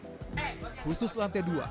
khusus lantai dua